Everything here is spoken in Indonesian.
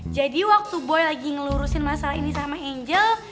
jadi waktu boy lagi ngelurusin masalah ini sama anjel